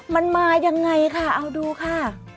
มันมายังไงค่ะเอาดูค่ะ